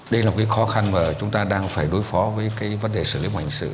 đây là một cái khó khăn mà chúng ta đang phải đối phó với cái vấn đề xử lý của hành sự